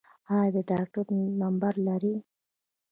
ایا د ډاکټر نمبر لرئ؟